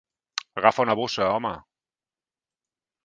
Agafa una bossa, home.